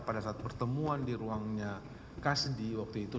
pada saat pertemuan di ruangnya kasndi waktu itu